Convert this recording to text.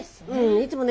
いつもね